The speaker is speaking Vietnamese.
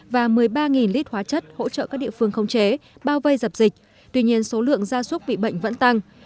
và một mươi ba lít hóa chất hỗ trợ các địa phương khống chế bao vây dập dịch tuy nhiên số lượng gia súc bị bệnh vẫn tăng